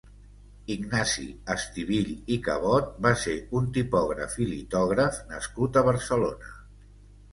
Ignasi Estivill i Cabot va ser un tipògraf i litògraf nascut a Barcelona.